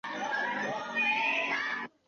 海口公交由公共汽车组成。